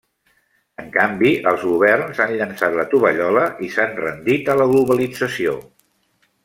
En canvi, els governs han llençat la tovallola i s'han rendit a la globalització.